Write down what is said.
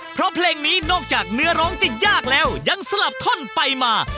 เพราะเพลงนี้นอกจากเนื้อร้องจะยากแล้วยังสลับท่อนไปมา